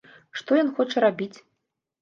Што ён хоча рабіць?